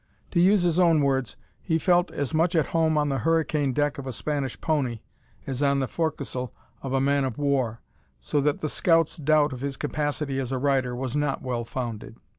To use his own words, he felt as much at home on the hurricane deck of a Spanish pony, as on the fo'c'sl of a man of war, so that the scout's doubt of his capacity as a rider was not well founded.